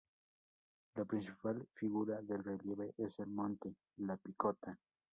La principal figura del relieve es el monte "La Picota".